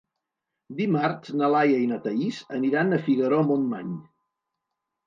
Dimarts na Laia i na Thaís aniran a Figaró-Montmany.